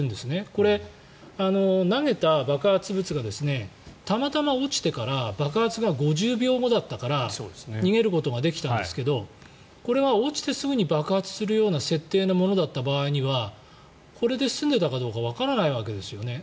これ、投げた爆発物がたまたま落ちてから爆発が５０秒後だったから逃げることができたんですけどこれが落ちてすぐに爆発するような設定だった場合にはこれで済んでいたかどうかわからないわけですよね。